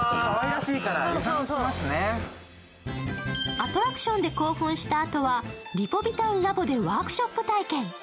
アトラクションで興奮した後はリポビタンラボでワークショップ体験。